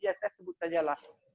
ya saya sebut sajalah